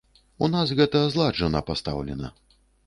У нас гэта зладжана пастаўлена.